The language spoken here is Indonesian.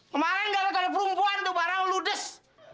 kemaren gak ada ada perempuan tuh bareng lu des